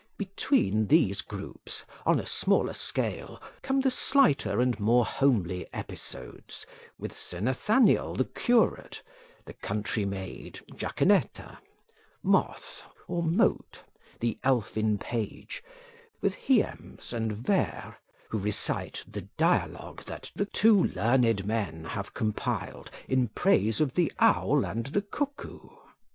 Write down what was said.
Between these groups, on a smaller scale, come the slighter and more homely episodes, with Sir Nathaniel the curate, the country maid Jaquenetta, Moth or Mote the elfin page, with Hiems and Ver, who recite "the dialogue that the two learned men have compiled in praise of the owl and the cuckoo."